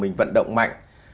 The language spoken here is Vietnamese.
mình vận động mạnh